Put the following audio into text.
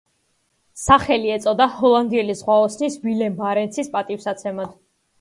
სახელი ეწოდა ჰოლანდიელი ზღვაოსანის ვილემ ბარენცის პატივსაცემად.